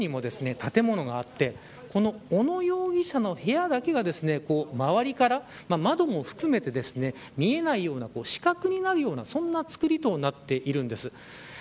奥にも建物があって小野容疑者の部屋だけが周りから、窓も含めて見えないような死角になるようなそんな造りとなっているんです。